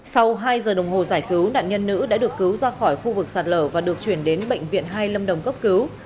sau hai giờ đồng hồ giải cứu nạn nhân nữ đã được cứu ra khỏi khu vực sạt lở và được chuyển đến bệnh viện hai lâm đồng cấp cứu